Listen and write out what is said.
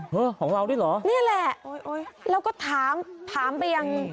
ของเราด้วยเหรอนี่แหละแล้วก็ถามถามไปยัง